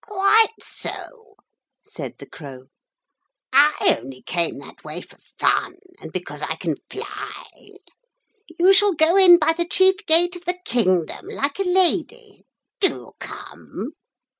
'Quite so,' said the Crow. 'I only came that way for fun, and because I can fly. You shall go in by the chief gate of the kingdom, like a lady. Do come.'